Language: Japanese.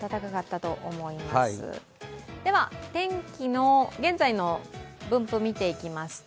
では天気の現在の分布見ていきますと。